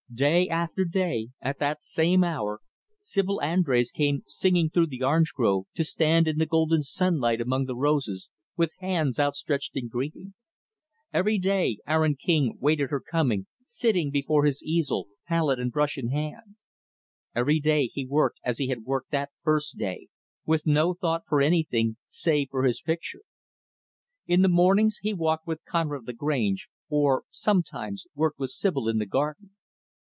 Day after day, at that same hour, Sibyl Andrés came singing through the orange grove, to stand in the golden sunlight among the roses, with hands outstretched in greeting. Every day, Aaron King waited her coming sitting before his easel, palette and brush in hand. Each day, he worked as he had worked that first day with no thought for anything save for his picture. In the mornings, he walked with Conrad Lagrange or, sometimes, worked with Sibyl in the garden.